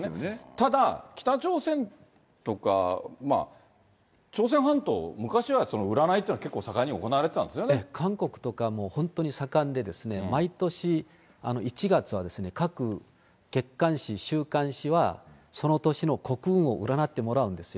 ただ、北朝鮮とか朝鮮半島、昔は占いってのは、韓国とかもう本当に盛んで、毎年１月は各月刊誌、週刊誌は、その年の国運を占ってもらうんですよ。